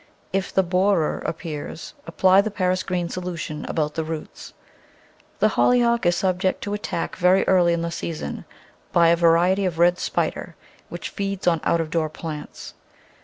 If the borer appears apply the Paris green solution about the roots. The Hollyhock is subject to attack very early in the season by a variety of red spider which feeds on out of door plants.